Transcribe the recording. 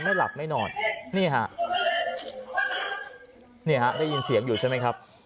ไม่หลับไม่นอนนี่ฮะได้ยินเสียงอยู่ใช่ไหมครับ